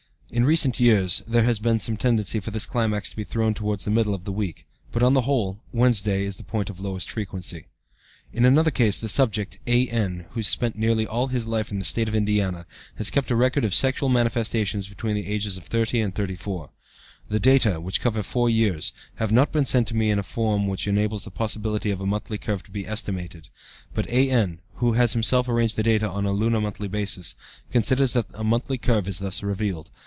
In recent years there has been some tendency for this climax to be thrown towards the middle of the week, but, on the whole, Wednesday is the point of lowest frequency. In another case, the subject, A.N., who has spent nearly all his life in the State of Indiana, has kept a record of sexual manifestations between the ages of 30 and 34. The data, which cover four years, have not been sent to me in a form which enables the possibility of a monthly curve to be estimated, but A.N., who has himself arranged the data on a lunar monthly basis, considers that a monthly curve is thus revealed.